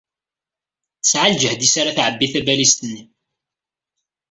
Tesεa lǧehd iss ara tεebbi tabalizt-nni.